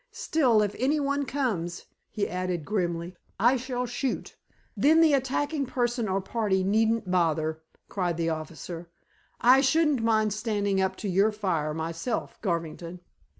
Still, if anyone comes," he added grimly, "I shall shoot." "Then the attacking person or party needn't bother," cried the officer. "I shouldn't mind standing up to your fire, myself, Garvington."